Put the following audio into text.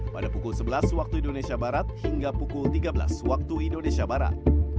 pada pukul sebelas waktu indonesia barat hingga pukul tiga belas waktu indonesia barat